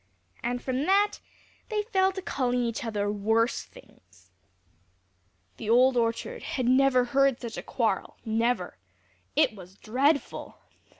And from that, they fell to calling each other worse things. The Old Orchard never had heard such a quarrel, never. It was dreadful!